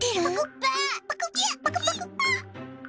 あっ！